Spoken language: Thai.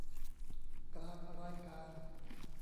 กลางรายการ